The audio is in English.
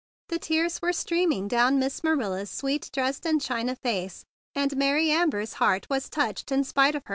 The tears were streaming down Miss Manila's sweet Dresden china face, and Mary Amber's heart was touched in spite of her.